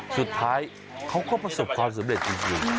สุดท้ายเขาก็ประสบความสำเร็จจริง